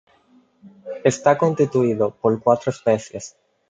Está constituido por cuatro especies.